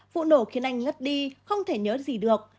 vụ nổ khiến anh ngất đi không thể nhớ gì được